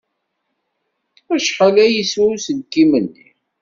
Acḥal ay yeswa uselkim-nni?